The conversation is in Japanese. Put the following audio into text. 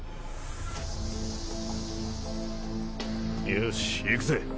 よしいくぜ。